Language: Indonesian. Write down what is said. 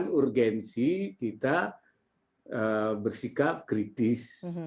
bukan urgensi kita bersikap kritis